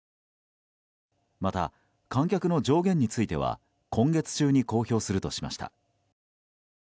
また、観客の上限については今月中に公表するとしました。